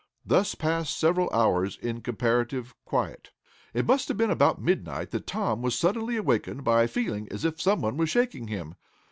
Thus passed several hours in comparative quiet. It must have been about midnight that Tom was suddenly awakened by a feeling as if someone was shaking him.